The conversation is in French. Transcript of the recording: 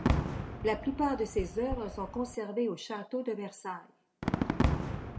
La plupart de ses œuvres sont conservées au Château de Versailles.